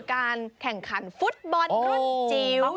การแข่งขันฟุตบอลรุ่นจิ๋ว